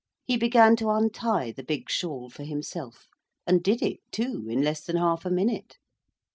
he began to untie the big shawl for himself, and did it, too, in less than half a minute.